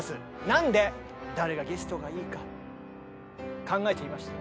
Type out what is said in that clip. なんで誰がゲストがいいか考えていました。